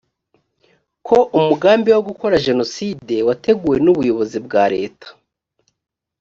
ko umugambi wo gukora jenoside wateguwe n ubuyobozi bwa leta